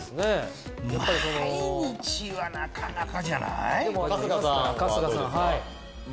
毎日はなかなかじゃない？